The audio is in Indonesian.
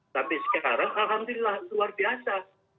tapi sekarang alhamdulillah luar biasa